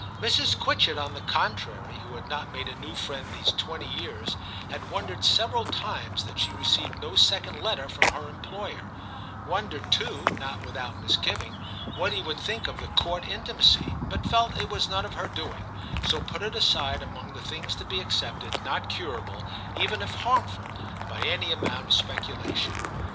Mrs. Quitchett, on the contrary, who had Ill TIM 51 not made a new friend these twenty years, had wondered several times that she re ceived no second letter from her employer ; wondered too, not without misgiving, what he would think of the Court intimacy, but felt it was none of her doing, so put it aside among the things to be accepted, not curable, even if harmful, by any amount of speculation.